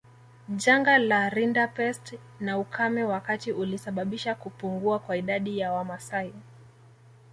Janga la rinderpest na ukame wakati ulisababisha kupungua kwa idadi ya Wamasai